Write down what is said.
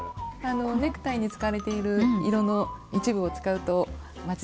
ネクタイに使われている色の一部を使うと間違いなく。